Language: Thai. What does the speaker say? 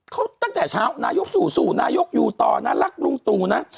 เขาตั้งแต่เช้านายกสู้นายกอยู่ต่อนะรักลุงตู่นะ